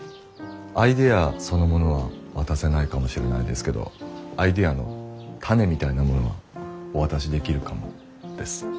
アイデアそのものは渡せないかもしれないですけどアイデアの種みたいなものはお渡しできるかもです。